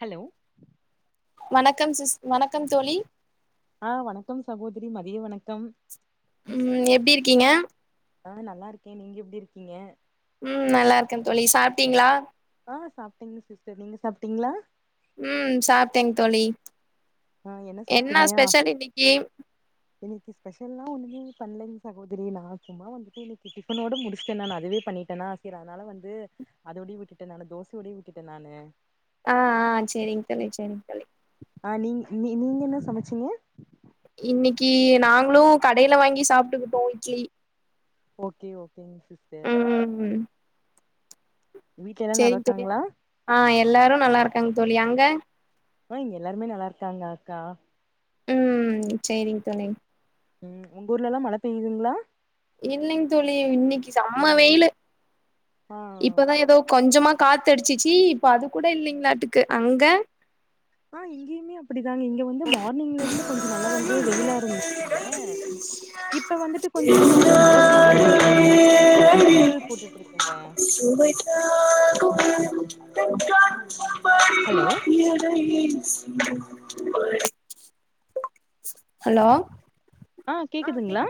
hello வணக்கம் sis வணக்கம் தோழி ஆஹ் வணக்கம் சகோதரி மதிய வணக்கம் உம் எப்டி இருக்கீங்க ஆஹ் நல்லா இருக்கேன் நீங்க எப்டி இருக்கீங்க உம் நல்லா இருக்கேன் தோழி சாப்ட்டீங்களா ஆஹ் சாப்ட்டேங்க சிஸ்டர் நீங்க சாப்ட்டீங்களா உம் சாப்ட்டேங் தோழி ஆஹ் என்ன சாப்ட்டீங்கா இன்னைக்கு ஸ்பெஷல்லாம் ஒண்ணுமே பண்ணலைங் சகோதரி நான் சும்மா வந்துட்டு இன்னைக்கு டிஃபனோட பண்ணிட்டேனா சேர் அதுனால வந்து அதோடையே விட்டுட்டேன் நானு தோசையோடயே விட்டுட்டேன் நானு ஆஹ் ஆஹ் சேரிங் கலை சேரிங் கலை நீ நீங்க என்ன சமச்சீங்க இன்னைக்கு நாங்களும் கடைய்ல வாங்கி சாப்ட்டுக்கிட்டோம் idli okay okay sister sharing தோழி ஆஹ் எல்லாரும் நல்லாருக்காங்க தோழி அங்க ஆஹ் இங்க எல்லாருமே நல்லா இருக்காங்க அக்கா உம் சேரிங் தோழி உம் உங்க ஊர்ல எல்லாம் மழ பெய்யுதுங்களா இல்லைங் தோழி இன்னைக்கு செம்ம வெயிலு இப்பதான் ஏதோ கொஞ்சமா காத்தடிச்சிச்சு இப்ப அது கூட இல்லைங்களாட்டுக்கு அங்க ஆஹ் இங்கேயுமே அப்டி தாங்க இங்க வந்து மார்னிங்ல இருந்து கொஞ்சம் நல்லா வந்து வெயிலா இருந்துச்சுங்க இப்ப வந்துட்டு கொஞ்சம் இப்ப கொஞ்சம் மழ பெஞ்சது இப்ப கொஞ்சம் தூறல் தூறல் போட்டுட்டு இருக்குங்க நீத ஹலோ ஆஹ் கேக்குதுங்ளா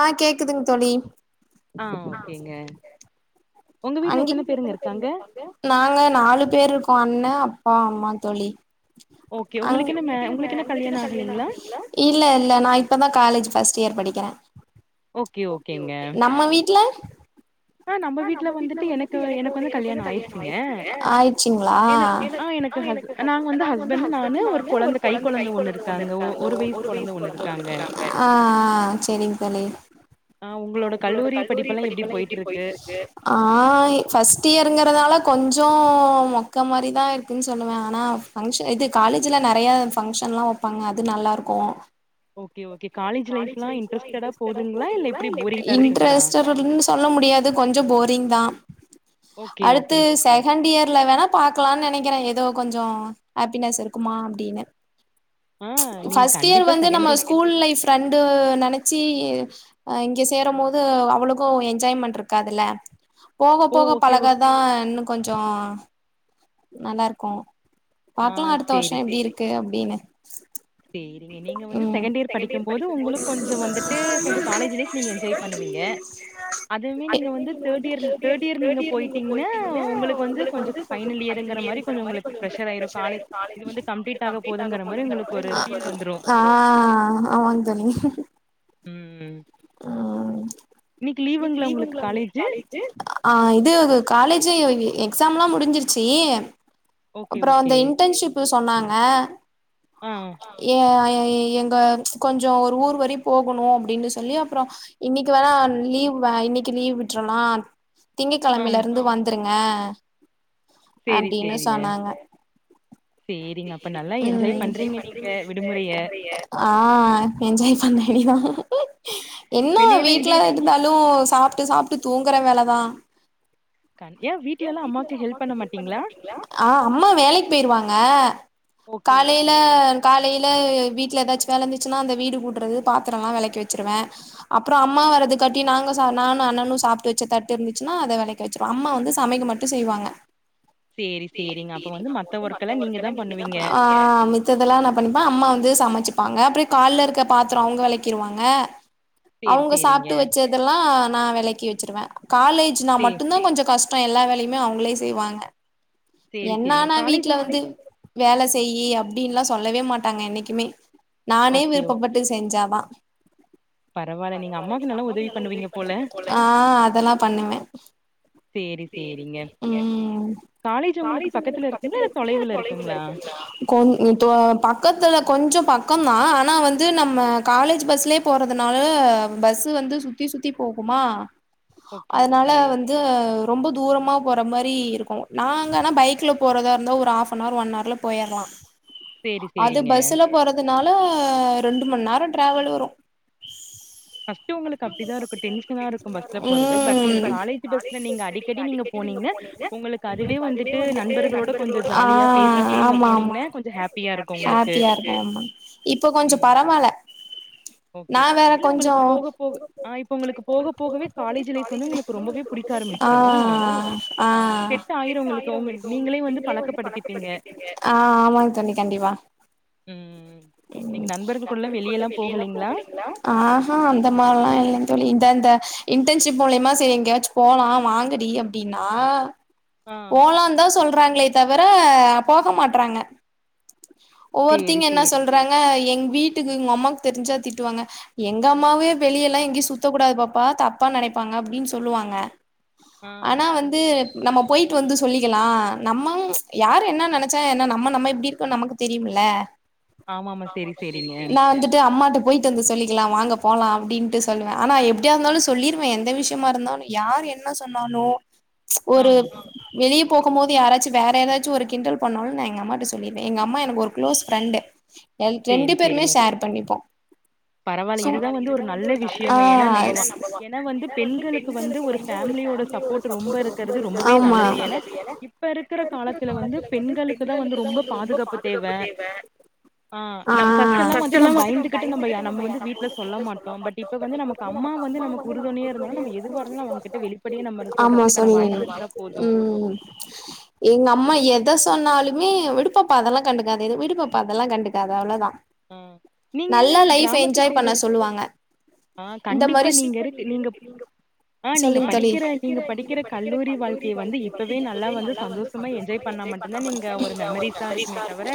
ஆஹ் கேக்குதுங் தோழி ஆஹ் ஓகேங்க அங்கிட் நாங்க நாலு பேர் இருக் பா அண்ணே அப்பா அம்மாங் தோழி ஆ உங்களுக்கு இன்னு மே உங்களுக்கு இன்னு கல்யாணம் ஆகலீங்களா காலேஜ் பஃர்ஸ்ட் இயர் படிக்கிறேன் ஓகே ஓகே நம்ம வீட்ல ஆ நம்ப வீட்ல வந் வீட்ல வந்துட்டு எனக்கு வ எனக்கு வந்து கல்யாணம் ஆயிடுச்சுங்க எனக் அ எனக்கு நாங்க வந்து ஹஸ்பன்ட் நா வந்து ஒரு கொழந்த கைகொழந்த ஒன்னு இருக்காங்க ஒ ஒரு வயசு கொழந்த ஒன்னு இருக்காங்க ஆ உங்களோட கல்லூரி படிப்பெல்லா எப்பிடி போயிட்ருக்கு ஆ ஃபர்ஸ்ட் இயருங்கிறதால கொஞ்ச மொக்க மாரிதா இருக்குன் சொல்லுவே ஆனா ஃபங்ஷன் இது காலேஜ்ல நெறைய ஃபங்க்ஷன்லா வப்பாங்க அது நல்லாருக்கு இன்ட்ரஸ்ட்டடுன் சொல்ல முடியாது கொஞ்ச போர் இந்தா அடுத்து செஹண்ட் இயர்ல வேணா பாக்கலான் நெனைக்கிறே ஏதோ கொஞ்சோ ஹேப்பினஸ் இருக்குமா அப்டின்னு ஃபஸ்ட் இயர் வந்து நம்ம ஸ்கூல் லைஃப் ஃப்ரெண்டு நெனைச்சி அ இங்க சேரம் போது அவளுக்கு என்ஜாய்மெண்ட் இருக்காதுல போக போக பழகதா இன்னு கொஞ்சோ நல்லாருக்கு பாக்கலா அடுத்த வருஷ எப்டி இருக்கு அப் டினு சேரிங்க நீங்க வந்து செகண்ட் இயர் படிக்கம் போது உங்களுக்கு கொஞ்சம் வந்துட்டு கொஞ்ச காலேஜ் லைஃப் நீங்க என்ஜாய் பண்ணுவிங்க அதுமே நீங்க வந்து தேர்ட் இயர் தேர்ட் இயர் நீங்க போயிட்டிங்னா உங்களுக்கு வந்து கொஞ்ச ஃபைனல் இயர் ங்கிற மாரி கொஞ்சொ உங்களுக்கு பிரஷர் ஆயிரு காலேஜ் இது வந்து கம்ப்ளீட் ஆக போதுங்கற மாரி உங்களுக்கொரு ஆ ஆமாங் தோழி ஆ இது காலேஜு எ எக்ஸாம்லா முடிஞ்சிருச்சி அப்பறோ அந்த இன்டர்ன்ஷிப்பு சொன்னாங்க எ எ எங்க கொஞ்ச ஒரு ஊர் வரையு போகணு அப்டின்னு சொல்லி அப்றோ இன்னைக்கு வேணா லீவ் இன்னைக்கு லீவ் விட்றலா திங்ககெழமைல இருந்து வந்துருங் க அப்டின்னு சொன்னாங்க ம் ஆ என்ஜாய் பண்ண வேண்டிதா இன்னு வீட்ல இருந்தாலு தும் சாப்ட்டு சாப்ட்டு தூங்குற வேலதான் ஆஹ் அம்மா வேலைக்கு போய்ருவாங்க ஆஹ் காலேல காலே ல வீட்ல ஏதாச்சும் வேல இருந்துச்சுன்னா அந்த வீடு கூட்றது பாத்திரல்லாம் வெளக்கி வச்சுருவேன் அப்புறம் அம்மா வர்றது காட்டி நாங்க சா நானும் அண்ணனும் சாப்ட்டு வச்ச தட்டு இருந்துச்சுன்னா அத வெளக்கி வச்சிருவோம் அம்மா வந்து சமைக்க மட்டும் செய்வாங்க ஆஹ் மித்ததல்லாம் நா பண்ணிப்பே அம்மா வந்து சமச்சு ப்பாங்க அப்டியே கால்ல இருக்க பாத்தரம் அவுங்க வெளக்கிர்வாங்க அவுங்க சாப்ட்டு வச்சதல்லாம் நான் வெலக்கி வ ச்சுருவேன் காலேஜ்னா மட்டும்தான் கொஞ்சம் கஷ் டம் எல்லா வேலையுமே அவுங்களே செய்வாங்க என்னான்னா வீட்ல வந்து வேல செய்யி அப்டின்னுல்லாம் சொல்லவே மாட்டாங்க என்னைக்குமே நானே விருப்பப்பட்டு செஞ்சாதான் ஆஹ் அதல்லா பண்ணுவே உம் கொ த பக்கத்துல கொஞ்சம் பக்கம் தான் ஆனா வந்து நம்ம காலேஜ் பஸ்லயே போறதுனால நம் பஸ் வந்து சுத்தி சுத்தி போகுமா அதுனால வந்து ரொம்ப தூரமா போற மாரி இருக்கும் நாங்க ஆனா பைக்ல போறதா இருந்தா ஒரு ஹாஃப்பனார் ஒன் ஆர்ல போயர்லாம் அது பஸ்ல போறது னால ரெண்டு மண் நேரம் டிராவல் வரும் ஃபஸ்ட்டு உங்களுக்கு அப்டிதா இருக்கு டென்சனா இருக்கும் பஸ்ல போறது பட் நீங்க காலேஜ் பஸ்ல நீங்க அடிக்கடி நீங்க போனீங்கனா உங்களுக்கு அதுவே வந்துட்டு நண்பர்களோட கொஞ்சம் ஜாலியா பேசிட்டே நீங்க போனீங்கன்னா கொஞ்சம் ஹாப்பியா இருக்கும் உங்களுக்கு உம் ஓக்கே கொஞ்சோ ஆஹ் ஆஹ் ஆஹ் ஆமாங் தோழி கண்டிபா ஆஹ் ஆஹ் ன் இந்த மாரில்லாம் இல்லங் தோழி இந்த இந்த இன்டன்ஷிப் மூலியமா சரி எங்கேயாச்சும் போலாம் வாங்கடி அப்டின்னா போலாம் தான் சொல் றாங்களே தவிர போக மாட்றாங்க ஒவ்வொருத்திங்க என்ன சொல்றாங்க எங் வீட்டுக்கு உங்க அம்மாக்கு தெருஞ்சா திட்டுவாங்க எங்க அம்மாவே வெளிய எல்லாம் எங்கயு சுத்தக்க கூடாது பாப்பா தப்பா நினைப்பாங்க அப்டின்னு சொல்லுவாங்க ஆனா வந்து நம்ம போயிட்டு வந்து சொல்லிக்கலாம் நம்மலு ச் யாரு என்ன நெனைச்சா ஏன்னா நம்ம நம்ம எப்டி இருக்கம்ன்னு நமக்கு தெரியும்ல நான் வந்துட்டு அம்மாட்டு போயிட்டு வந்து சொல்லிக்கலாம் வாங்க போலாம் அப்டின்ட்டு சொல்லுவன் ஆனா எப்படியா இருந்தாலும் சொல்லிருவேன் எந்த விஷயமா இருந்தாலும் யார் என்ன சொன்னாலும் ஒரு வெளிய போக போது யாராச்சும் வேற ஏதாச்சும் ஒரு கிண்டல் பண்ணாலும் நா எங்க அம்மா கிட்ட சொல்லிருவேன் எங்க அம்மா எனக்கு ஒரு க்ளோஸ் ஃபிரெண்டு எல் ரெண்டு பேருமே ஷேர் பண்ணிப்போம் பரவாயில்ல இதுதான் வந்து ஒரு நல்ல விஷயங்க ஏனா நம்ப வ ஏனா வந்து பெண்களுக்கு வந்து ஒரு ஃபேமிலியோட சப்போட் ரொம்ப இருக்கிறது ரொம்பவே நல்லது என இப்ப இருக்கிற காலத்துல வந்து பெண்களுக்குதான் வந்து ரொம்ப பாதுகாப்பு தேவ ஆஹ் நம் ஃபஸ்ட்டலாம் வந்து நா பயந்துகிட்டு நம்ம நம்ம வந்து வீட்டுல சொல்ல மாட் டோம் பட் இப்ப வந்து நமக்கு அம்மா வந்து நமக்கு உறுதுணையா இருந்தாங்க நம்ம எதுவா இருந்தாலும் அவுங்ககிட்ட வெளிப்படையா சொல்றதுக்கான வாய்ப்பு இருந்தா போதும் ஆனாலுமே விடுப்பாப்பா அதெல்லா கண்டு காதே விடு பாப்பா அதலா கண்டுக் காத அவ்ளோதான் ம் நீங்க எங்கங்க கிராமத்து சைடு இருக் ஆஹ் கண்டிப்பா நீங்க இருக்கு நீங்க ஆஹ் நீங்க படிக்கிற நீங்க படிக்கிற கல்லூரி வாழ்க்கைய வந்து இப்பவே நல்லா வந்து சந்தோஷமா என்ஜாய் பண்ணா மட்டும்தான் நீங்க ஒரு மெமரிஸா இருக்குமே தவிர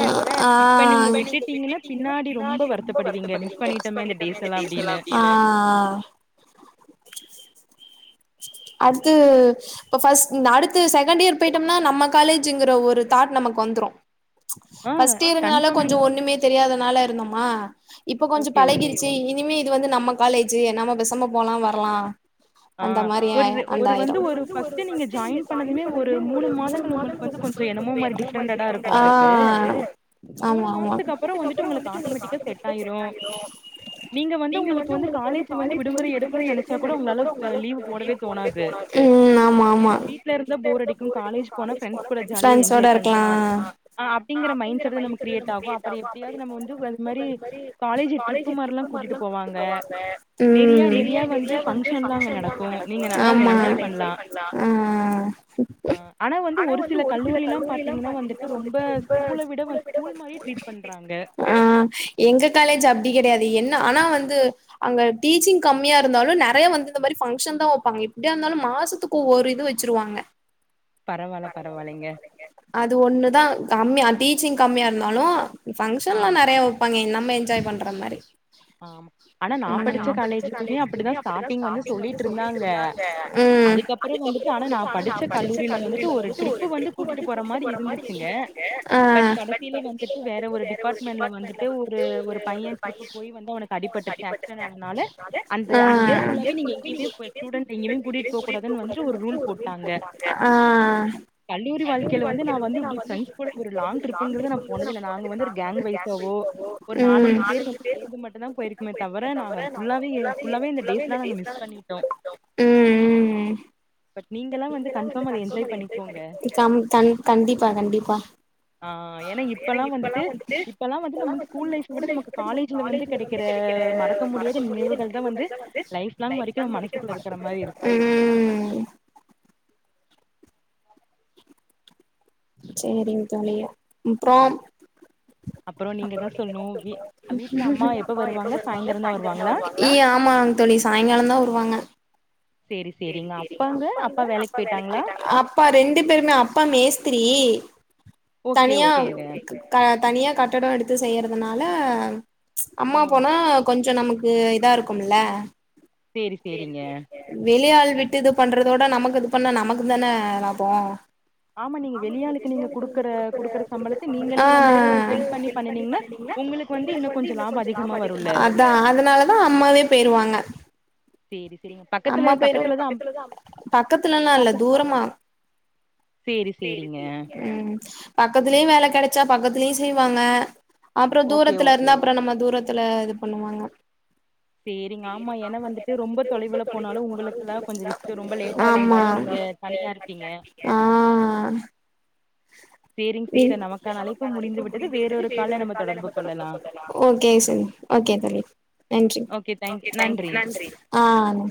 இப்ப நீங்க விட்டுட்டீங்கன்னா பின்னாடி ரொம்ப வருத்தப்படுவீங்க மிஸ் பண்ணிட்டோமே அந்த டேஸ்லா ன்னு ஆஹ் அது இப்போ ஃபர்ஸ்ட் அடுத்து செகண்ட் இயர் போயிட்டோம்னா நம்ம காலஜுங்கிற ஒரு தாட் நமக்கு வந்துடும் ஃபஸ்ட இயர்ங்குறனால கொஞ்சம் ஒண்ணுமே தெரியாத நாள இருந்தோமா இப்ப கொஞ்சம் பழகிருச்சு வந்து நம்ம காலேஜூ நம்ம பெசாம போலாம் வரலாம் அந்த மாரி ஆயும் அந்தாயிரம் ஆஹ் ஆமா ஆமா உங்களுக்கு வந்து காலேஜ் வந்து விடுமுறை எடுக்கணனு நினைச்சா கூட உங்களால லீவு் போடவே தோணாது ஏன்னா வீடல இருந்த போர் அடிக்கும் காலேஜ் போனா ரெண்ட்ஸ் கூட ஜாலியா என்ஜாய் பண்ணலாம் அ அப்டிங்கிற மைண்ட் செட் நம கிரியேட் ஆகும் அப்புற எப்படியாவது நம்ம வந்து இந்த மாதிரி காலேஜ் ட்ரிப்பு மாரிலா கூட்டிட்டு போ ம் ஆமா ஆஹ் ஆஹ் எங்க காலேஜ் அப்டி கிடையாது என் ஆனா ஆனா வந் து அங்க டீச்சிங் கம்மியா இருந்தாலும் நெறைய வந்து இந்த மாரி ஃபங்க்ஷன் தான் வைப்பாங்க எப்டியா இருந்தாலும் மாசத்துக்கு ஒவ்வொரு இது வச்சிருவாங்க அது ஒண்ணுதான் கம்மி டீச்சிங் கம்மியா இருந்தாலு ஃபங்க்ஷன்லா நறைய வெப்பாங்க என்ன ம் என்ஜாய் பண்ற மாதிரி ஆனா நா படிச்ச காலேஜ்லிமே அப்படி தா ஸ்டாடிங் சொல்லட்ருந்தாங்க ம் அதுக்கப்புறோ வந்துட்டு ஆனா படிச்ச கல்லூரியில வந்து ஒரு ட்ரிப்பு வந்து கூடடிட்டுபோற மாறி இருந்துச்சுங்க பட் கடைசில வந்துட்டு வேறொரு டிபாட்மென்ட்ல வந்துட்டு ஒரு ஒரு பையன் ஆ ஆ ம் போயிருக்குமே தவர நாங்க அது ஃபுல்லாவே ஃபுல்லாவே இந்த டேஸ் அ மிஸ் பண்ணிடோ பட் நீங்களா வந்து கன்பாம் அத என்ஜாய் பண்ணிகோங்க ஆ ஏனா இப்பல்லா வந்துட்டு இப்பலா வந்து நம்ப ஸ்கூல் லைஃப் விட நம்ப காலேஜ் இந்த வந்து க்கிற மறக்க முடியாத நினைவுகள் தா வந்து லைஃப் லாங் வரிக்கு மனசுக்குல இருக்கிற மாரி இருக்கு சேரி ஜாலியா [unintelligible] ஏ ஆமா [unintelligible] சாய்ங்காலோ தா வருவாங்க அப்பா ரெண்டு பேருமே அப்பா மேஸ்தி ஏ தனியா க் க தனிய கட்டடோ எடுத்து செய்யறதுனால ம்ச் அம்மா போனா கொஞ் ஞ்சோ நமக்கு இதா இருக்கும்ல வெளியால் விட்டு இது பண்றதோட நமக்கு இது பண்ணா நமக்கு தானே இது லாபோ அ அதா அதனால தா அம்மாவே போயிருவாங்க அம்மா போய்ரு பக்கத்துலல்லாஇல்ல தூரமா செரி செரிங்க பக்கத்துலே வேலே கெடச்சா பக்கத்ல்யு செய்வாங்க அப்புறோ தூரத்துல இருந்தா அப்றோ நம்ம தூரத்துல இது பண்ணுவாங்க சேரிங்க ஆமா எனா வந்துட்டு ரொம்ப தொலைவுல போனாலு உங்குளுக்குல்லா கொஞ்சோ ரிஸ்க்கு ரொம்ப லேட்டா வந்தாலு நீங்க தனியா இருப்பீங்க ஆ [unintelligible] ஓகே சேரிப் ஓகே [unintelligible] தேங்க் யூ ஆ நன்